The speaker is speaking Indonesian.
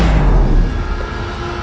aku akan menang